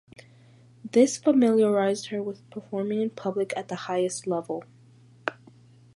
This familiarised her with performing in public at the highest level.